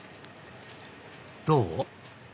どう？